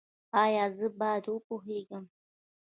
ایا زه باید وپوهیږم؟